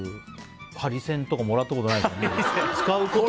ハリセンとかもらったことないですよね。